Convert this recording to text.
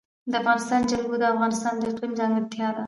د افغانستان جلکو د افغانستان د اقلیم ځانګړتیا ده.